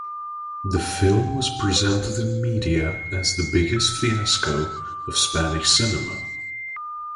The film was presented in media as "the biggest fiasco of Spanish cinema".